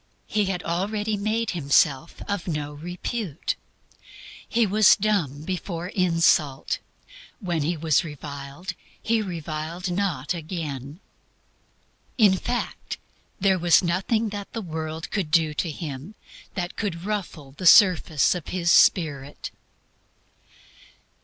He had already made Himself of no reputation. He was dumb before insult. When he was reviled, He reviled not again. In fact, there was NOTHING THAT THE WORLD COULD DO TO HIM that could ruffle the surface of His spirit.